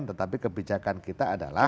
tetapi kebijakan kita adalah